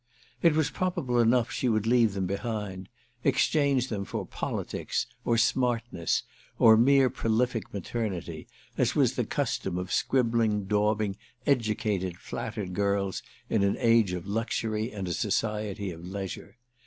It was probable enough she would leave them behind—exchange them for politics or "smartness" or mere prolific maternity, as was the custom of scribbling daubing educated flattered girls in an age of luxury and a society of leisure.